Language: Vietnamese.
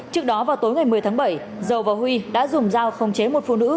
trước đó vào tối ngày một mươi tháng bảy dầu và huy đã dùng dao không chế một phụ nữ